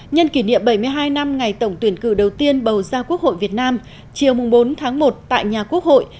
nhân kỷ niệm bảy mươi hai năm ngày tổng tuyển cử đầu tiên bầu ra quốc hội việt nam chiều bốn tháng một tại nhà quốc hội